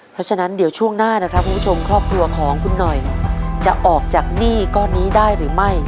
เพราะฉะนั้นเดี๋ยวช่วงหน้านะครับคุณผู้ชมครอบครัวของคุณหน่อยจะออกจากหนี้ก้อนนี้ได้หรือไม่